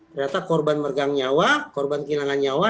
ternyata korban mergang nyawa korban kehilangan nyawa